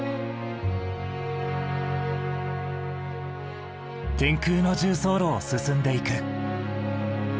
天空の縦走路を進んでいく。